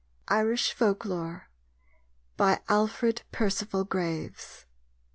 IRISH FOLKLORE By ALFRED PERCEVAL GRAVES.